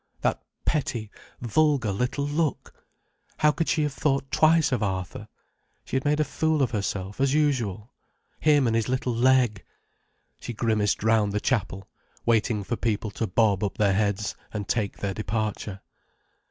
That petty, vulgar little look! How could she have thought twice of Arthur. She had made a fool of herself, as usual. Him and his little leg. She grimaced round the chapel, waiting for people to bob up their heads and take their departure.